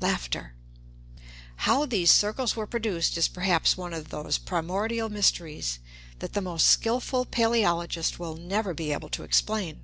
How these circles were produced is perhaps one of those primordial mysteries that the most skillful paleologist will never be able to explain.